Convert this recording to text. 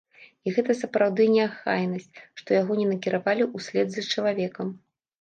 І гэта сапраўды неахайнасць, што яго не накіравалі ўслед за чалавекам.